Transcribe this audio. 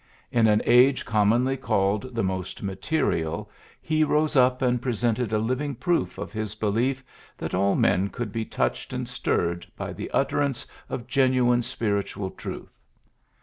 In an age commonly called the most material he rose up and presented a living proof of his belief that all men could be touched and stirred by the utterance of genuine spiritual truth.